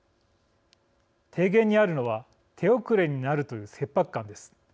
提言にあるのは手遅れになるという切迫感です。